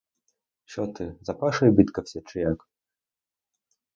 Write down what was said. Що ти, за пашею бідкався, чи як?